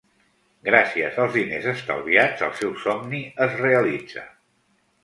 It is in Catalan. Gràcies als diners estalviats, el seu somni es realitza.